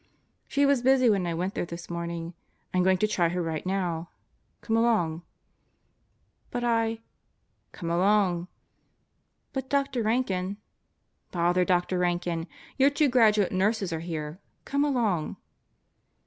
"She was busy when I went there this morning. I'm going to try her right now. Come along." "But I ..." Birthdays in the Deathhouse 65 "Come along!" "But Doctor Rankin ..." "Bother Doctor Rankin. Your two graduate nurses are here. Come along."